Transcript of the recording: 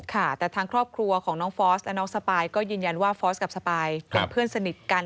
ค่ะแต่ทางครอบครัวของน้องฟอสและน้องสปายก็ยืนยันว่าฟอร์สกับสปายเป็นเพื่อนสนิทกัน